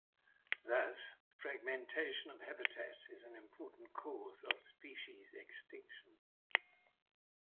Thus fragmentation of habitat is an important cause of species extinction.